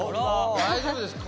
大丈夫ですか。